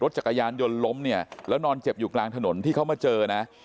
จักรยานยนต์ล้มเนี่ยแล้วนอนเจ็บอยู่กลางถนนที่เขามาเจอนะ